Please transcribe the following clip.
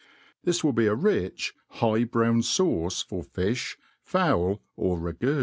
This will be a rich, high brown fituce for fi(h, fiowl^ orragoo.